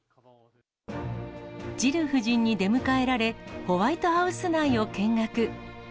ジル夫人に出迎えられ、ホワイトハウス内を見学。